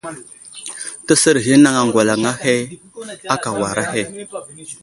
Təsər ghinaŋ aŋgwalaŋ aka war ahe.